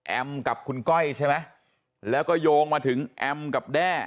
กับคุณก้อยใช่ไหมแล้วก็โยงมาถึงแอมกับแด้